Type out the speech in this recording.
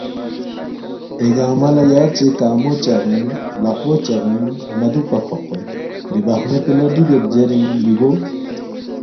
اے گنگمہ لہ یاژے کنگمو چاغین لقپو چاغین مہ دُوکپا کھوقکھول، دی بخمید پو لہ دُوگید زیرین مِہ گو